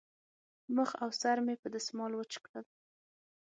مخ او سر مې په دستمال وچ کړل.